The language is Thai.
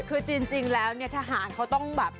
คือจริงแล้วเนี่ยทหารเขาต้องแบบ